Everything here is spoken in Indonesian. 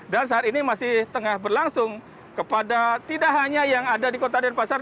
dan saat ini masih tengah berlangsung kepada tidak hanya yang ada di kota dan pasar